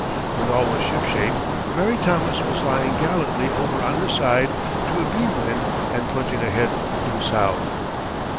When all was shipshape, the Mary Thomas was lying gallantly over on her side to a beam wind and plunging ahead due south.